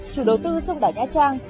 chủ đầu tư xung đải nha trang